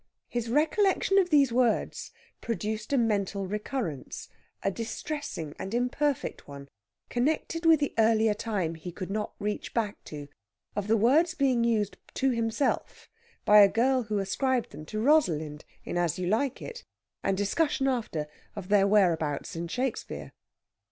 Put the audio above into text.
His recollection of these words produced a mental recurrence, a distressing and imperfect one, connected with the earlier time he could not reach back to, of the words being used to himself by a girl who ascribed them to Rosalind in As You Like It, and a discussion after of their whereabouts in Shakespeare.